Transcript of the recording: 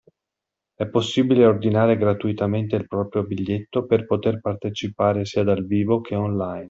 E’ possibile ordinare gratuitamente il proprio biglietto per poter partecipare sia dal vivo che online.